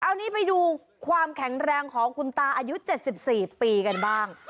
เอานี้ไปดูความแข็งแรงของคุณตาอายุ๗๔ปีกันบ้าง